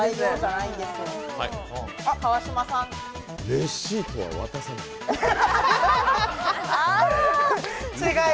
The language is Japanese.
レシートは渡さない？